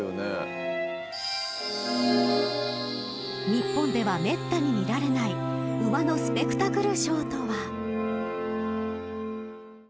［日本ではめったに見られない馬のスペクタクルショーとは］